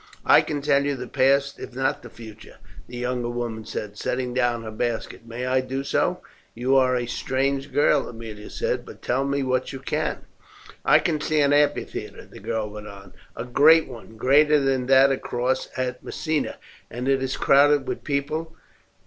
"I can tell you the past if not the future," the young woman said, setting down her basket. "May I do so?" "You are a strange girl," Aemilia said, "but tell me what you can." "I can see an amphitheatre," the girl went on, "a great one, greater than that across at Messina, and it is crowded with people.